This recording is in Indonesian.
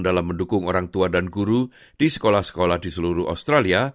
dalam mendukung orang tua dan guru di sekolah sekolah di seluruh australia